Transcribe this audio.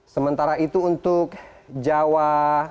sementara itu untuk jawa